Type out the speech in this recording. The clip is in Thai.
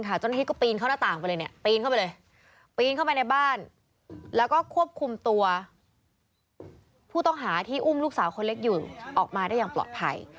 ที่อุ้มลูกสาวคนเล็กอยู่ออกมาได้อย่างปลอดภัย